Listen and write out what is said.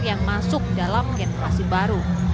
yang masuk dalam generasi baru